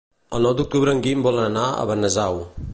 El nou d'octubre en Guim vol anar a Benasau.